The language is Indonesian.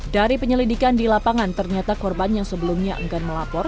dari penyelidikan di lapangan ternyata korban yang sebelumnya enggan melapor